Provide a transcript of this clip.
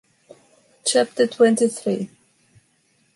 Chapter twenty three.